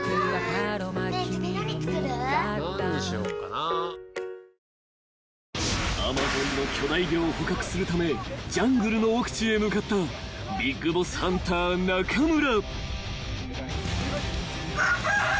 ［アマゾンの巨大魚を捕獲するためジャングルの奥地へ向かったビッグボスハンター中村］